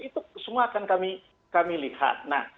itu semua akan kami lihat